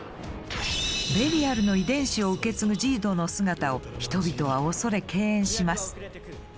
ベリアルの遺伝子を受け継ぐジードの姿を人々は恐れ敬遠します。